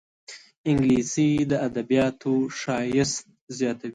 انګلیسي د ادبياتو ښایست زیاتوي